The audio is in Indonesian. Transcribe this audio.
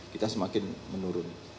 kita semakin menurun